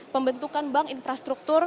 pembentukan bank infrastruktur